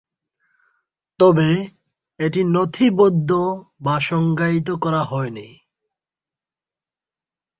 তবে এটি নথিবদ্ধ বা সংজ্ঞায়িত করা হয়নি।